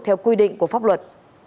theo quy định của pháp luật